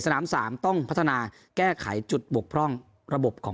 สามต้องพัฒนาแก้ไขจุดบกพร่องระบบของ